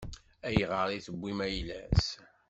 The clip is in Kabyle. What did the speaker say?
Ayɣer i tewwim ayla-s?